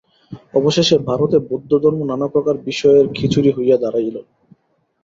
অবশেষে ভারতে বৌদ্ধধর্ম নানাপ্রকার বিষয়ের খিচুড়ি হইয়া দাঁড়াইল।